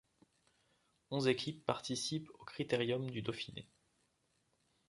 Onze équipes participent au Critérium du Dauphiné.